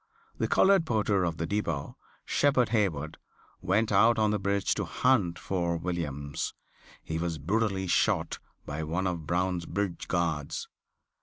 The colored porter of the depot, Shepherd Hayward, went out on the bridge to hunt for Williams. He was brutally shot by one of Brown's bridge guards.